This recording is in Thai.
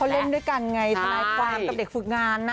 เพราะเขาเล่นด้วยกันไงสายความกับเด็กฟึกงานน่ะ